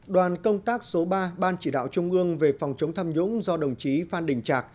đoàn công tác số ba ban chỉ đạo trung ương về phòng chống tham nhũng do đồng chí phan đình trạc